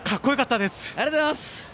ありがとうございます。